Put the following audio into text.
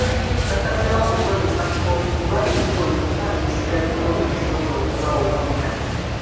Basazeewo okukozesa kkooti kuba ly'ekkubo lyokka erisigaddewo erisobola okubawa obwenkanya.